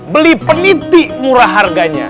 beli peniti murah harganya